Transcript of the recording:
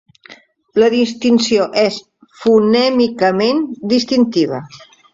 La distinció és fonèmicament distintiva.